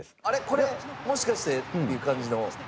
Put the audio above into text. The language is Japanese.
これもしかして」っていう感じの？